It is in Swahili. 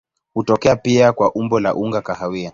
Hutokea pia kwa umbo la unga kahawia.